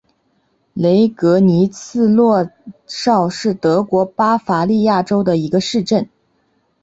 雷格尼茨洛绍是德国巴伐利亚州的一个市镇。